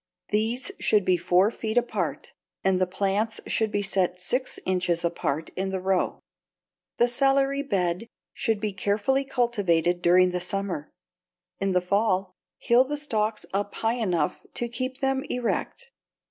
These should be four feet apart, and the plants should be set six inches apart in the row. The celery bed should be carefully cultivated during the summer. In the fall, hill the stalks up enough to keep them erect.